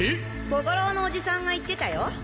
小五郎のおじさんが言ってたよ。